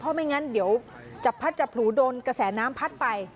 เพราะไม่งั้นเดี๋ยวจะพัดจับผลูโดนกระแสน้ำพัดไป